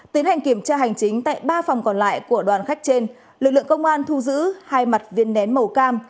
tiến hành kiểm tra hành chính tại ba phòng còn lại của đoàn khách trên lực lượng công an thu giữ hai mặt viên nén màu cam